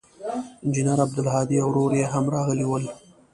انجنیر عبدالهادي او ورور یې هم راغلي ول.